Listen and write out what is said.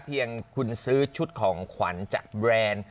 เพียงคุณซื้อชุดของขวัญจากแบรนด์